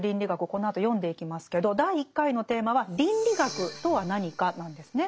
このあと読んでいきますけど第１回のテーマは「倫理学とは何か」なんですね。